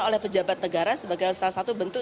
oleh pejabat negara sebagai salah satu bentuk